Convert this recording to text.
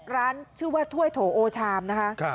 ร้านชื่อว่าถ้วยโถโอชามนะคะ